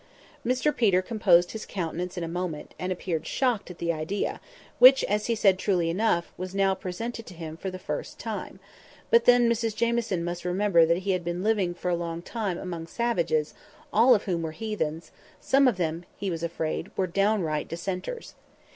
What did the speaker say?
Mr Peter composed his countenance in a moment, and appeared shocked at the idea, which, as he said truly enough, was now presented to him for the first time; but then Mrs Jamieson must remember that he had been living for a long time among savages—all of whom were heathens—some of them, he was afraid, were downright Dissenters.